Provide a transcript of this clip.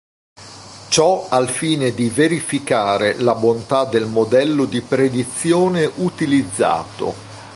Ciò al fine di verificare la bontà del modello di predizione utilizzato.